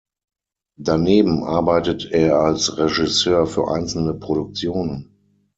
Daneben arbeitet er als Regisseur für einzelne Produktionen.